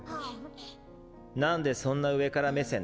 なんでそんな上から目線なんですか。